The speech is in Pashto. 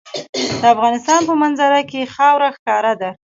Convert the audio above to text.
د افغانستان په منظره کې خاوره ښکاره ده.